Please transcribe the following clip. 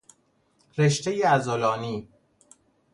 رشتهی عضلانی